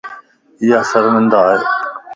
ايا شرمندا ائي.